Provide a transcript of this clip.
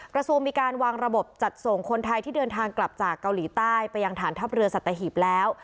กระทรวงมีการวางระบบจัดส่งคนไทยที่เดินทางกลับจากเกาหลีใต้ไปยังฐานทัพเรือสัตหีบแล้ว